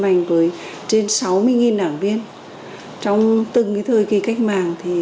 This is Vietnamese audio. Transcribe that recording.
anh kiều và anh em chúng tôi đang thực hiện chuyên đề